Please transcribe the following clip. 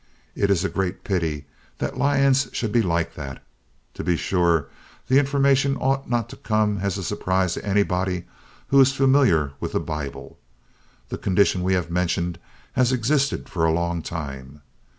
It is a great pity that lions should be like that. To be sure, the information ought not to come as a surprise to anybody who is familiar with the Bible. The condition we have mentioned has existed for a long time.